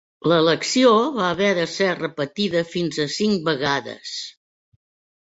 L'elecció va haver de ser repetida fins a cinc vegades.